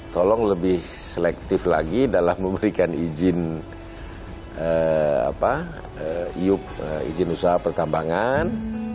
tolong lebih selektif lagi dalam memberikan izin iup izin usaha pertambangan